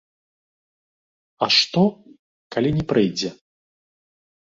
А што, калі не прыйдзе?